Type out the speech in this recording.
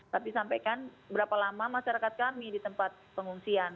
tapi sampaikan berapa lama masyarakat kami di tempat pengungsian